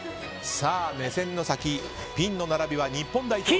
目線の先、ピンの並びは日本代表。